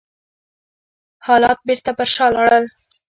حالات بېرته پر شا لاړل.